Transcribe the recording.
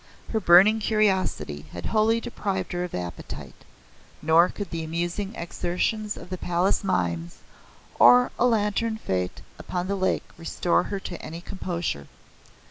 Her burning curiosity had wholly deprived her of appetite, nor could the amusing exertions of the Palace mimes, or a lantern fete upon the lake restore her to any composure.